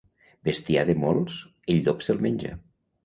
Bestiar de molts, el llop se'l menja.